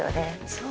そう。